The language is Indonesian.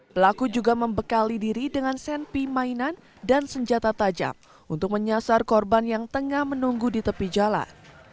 pelaku juga membekali diri dengan senpi mainan dan senjata tajam untuk menyasar korban yang tengah menunggu di tepi jalan